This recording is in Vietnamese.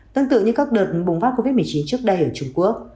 tương tự như các đợt bùng phát covid một mươi chín trước đây ở trung quốc